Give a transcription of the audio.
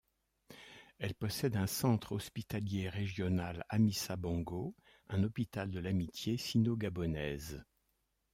Elle possède un centre hospitalier régional Amissa Bongo, un hôpital de l'amitié sino-gabonaise.